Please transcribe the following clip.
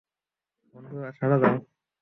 বন্ধুরা, সাড়া দাও।